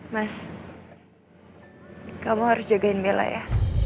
mas kamu harus jagain bella ya